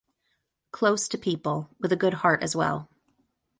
Close to people, with a good heart as well.